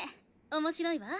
面白いわ。